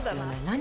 「何？